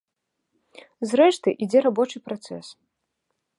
Зрэшты, ідзе рабочы працэс.